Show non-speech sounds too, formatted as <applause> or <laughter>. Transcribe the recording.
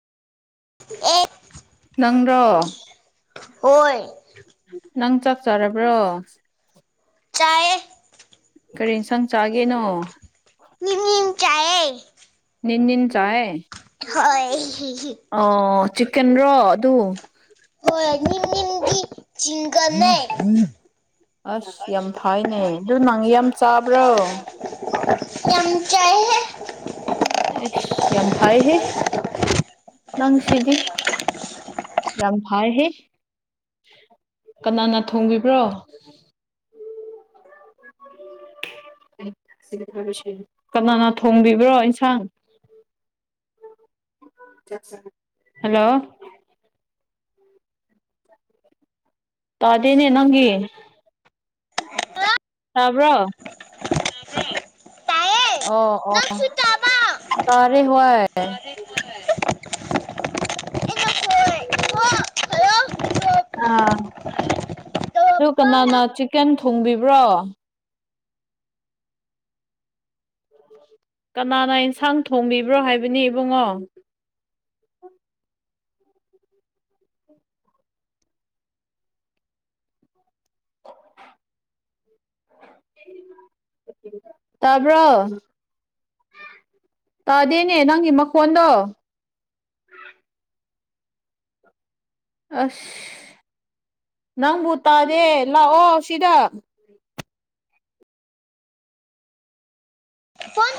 ꯅꯪꯔꯣ ꯍꯣꯏ ꯅꯪ ꯆꯥꯛ ꯆꯥꯔꯕ꯭ꯔꯣ ꯆꯥꯏꯌꯦ ꯀꯔꯤ ꯑꯦꯟꯁꯥꯡ ꯃꯤꯃꯤꯡ ꯆꯥꯏꯌꯦ ꯅꯤꯟꯅꯤꯟ ꯆꯥꯏꯌꯦ ꯑꯣ ꯆꯤꯛꯀꯟꯔꯣ ꯑꯗꯨ ꯍꯣꯏ ꯅꯤꯝ ꯅꯤꯝꯒꯤ ꯆꯤꯡꯒꯜꯅꯦ ꯑꯁ ꯌꯥꯝ ꯐꯥꯏꯅꯦ ꯑꯗꯨ ꯅꯪ ꯌꯥꯝ ꯆꯥꯕ꯭ꯔꯣ ꯆꯥꯏꯍꯦ ꯑꯦꯁ ꯌꯥꯝ ꯐꯥꯏ ꯍꯦ ꯅꯪ ꯁꯤꯗꯤ ꯌꯥꯝ ꯐꯥꯏꯍꯦ ꯀꯅꯥꯅ ꯊꯣꯡꯕꯤꯕ꯭ꯔꯣ <inaudible> ꯀꯅꯥꯅ ꯊꯣꯡꯕꯤꯕ꯭ꯔꯣ ꯏꯟꯁꯥꯡ ꯍꯜꯂꯣ ꯇꯗꯤꯅꯦ ꯅꯪꯒꯤ ꯇꯕ꯭ꯔꯣ ꯇꯥꯕ꯭ꯔꯣ ꯑꯣ ꯑꯣ ꯇꯥꯔꯦ ꯍꯣꯏ <inaudible> ꯑꯥ ꯑꯗꯨ ꯀꯅꯥꯅ ꯆꯤꯀꯟ ꯊꯣꯡꯕꯤꯕ꯭ꯔꯣ ꯀꯅꯥꯅ ꯏꯟꯁꯥꯡ ꯊꯣꯡꯕꯤꯕ꯭ꯔꯣ ꯍꯥꯏꯕꯅꯤ ꯏꯕꯨꯡꯉꯣ ꯎ <inaudible> ꯇꯥꯕ꯭ꯔꯣ ꯇꯥꯗꯦꯅꯦ ꯅꯪꯒꯤ ꯃꯈꯣꯟꯗꯣ ꯑꯁ ꯅꯪꯕꯨ ꯇꯥꯗꯦ ꯂꯥꯛꯑꯣ ꯁꯤꯗ ꯐꯟ